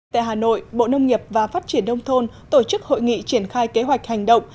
tại hà nội bộ nông nghiệp và phát triển đông thôn tổ chức hội nghị triển khai kế hoạch hành động